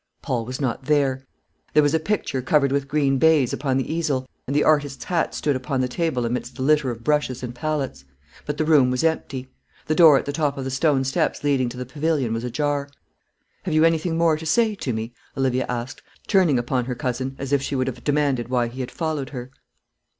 Paul was not there. There was a picture covered with green baize upon the easel, and the artist's hat stood upon the table amidst the litter of brushes and palettes; but the room was empty. The door at the top of the stone steps leading to the pavilion was ajar. "Have you anything more to say to me?" Olivia asked, turning upon her cousin as if she would have demanded why he had followed her.